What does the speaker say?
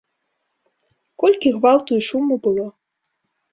Колькі гвалту і шуму было.